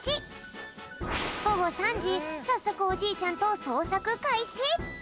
ごご３じさっそくおじいちゃんとそうさくかいし。